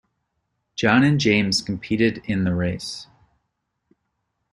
John and James competed in the race